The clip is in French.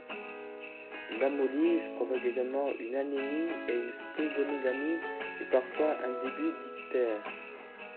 L'hémolyse provoque également une anémie et une splénomégalie, et parfois un début d'ictère.